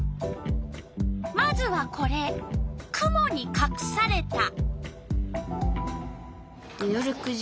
まずはこれ「くもにかくされた」。